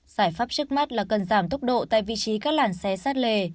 giải pháp trước mắt là cần giảm tốc độ tại vị trí các làn xe sát lề